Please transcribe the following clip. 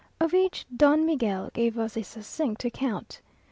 Of each, Don Miguel gave us a succinct account.